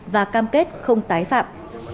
và cam kết không tái phạm